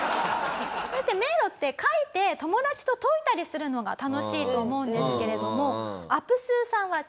迷路って描いて友達と解いたりするのが楽しいと思うんですけれども。